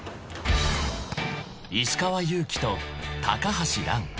［石川祐希と橋藍］